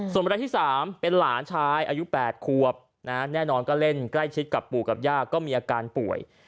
ส่วนรายที่๓เป็นหลานชายอายุ๘ควบแน่นอนก็เล่นใกล้ชิดกับปู่กับย่าก็มีอาการป่วย